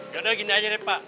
yaudah gini aja deh pak